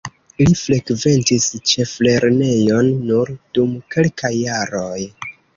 Li frekventis ĉeflernejon nur dum kelkaj jaroj.